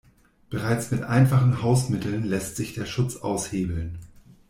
Bereits mit einfachen Hausmitteln lässt sich der Schutz aushebeln.